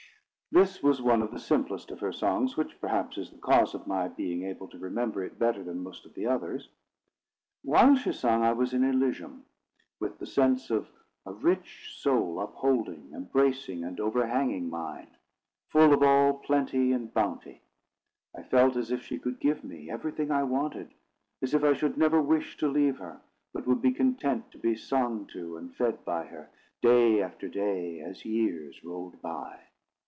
_ This was one of the simplest of her songs, which, perhaps, is the cause of my being able to remember it better than most of the others. While she sung, I was in Elysium, with the sense of a rich soul upholding, embracing, and overhanging mine, full of all plenty and bounty. I felt as if she could give me everything I wanted; as if I should never wish to leave her, but would be content to be sung to and fed by her, day after day, as years rolled by.